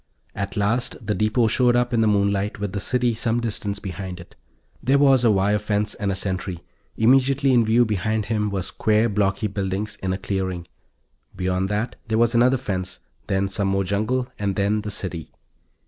At last the depot showed up in the moonlight with the city some distance behind it. There was a wire fence, and a sentry, immediately in view behind him were square blocky buildings in a clearing. Beyond that there was another fence, then some more jungle, and then the city.